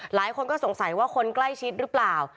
หลายคนก็สงสัยว่าคนใกล้ชิดหรือเปล่า